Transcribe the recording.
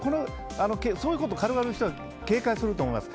そういうことを軽々しく言う人は警戒すると思います。